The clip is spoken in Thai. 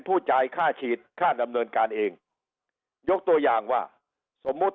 จ่ายค่าฉีดค่าดำเนินการเองยกตัวอย่างว่าสมมุติ